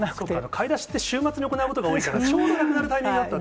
買い出しって週末に行うことが多いから、ちょうどなくなるタイミングだったと。